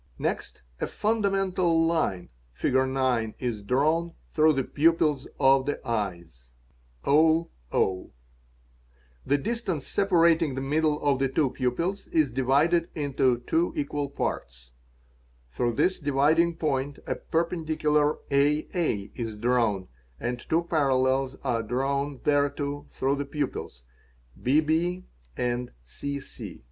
Next a fundamental line (Fig. 9) is drawn through the pupils of the eyes; the distance separating the middle of the two pupils is divided into two equal parts; through this dividing point a perpendicular aa is drawn, _ and two parallels are drawn thereto through the pupils (bbécc).